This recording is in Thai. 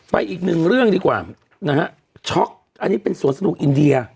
อีกหนึ่งเรื่องดีกว่านะฮะช็อกอันนี้เป็นสวนสนุกอินเดีย